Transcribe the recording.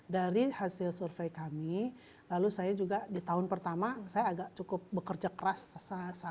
dari hasil survei kami lalu saya juga di tahun pertama saya agak cukup bekerja keras sangat keras lah ya